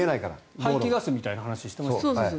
排気ガスみたいな話をしていましたよね。